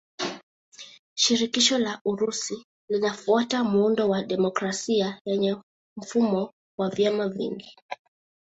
Shirikisho la Urusi linafuata muundo wa demokrasia yenye mfumo wa vyama vingi.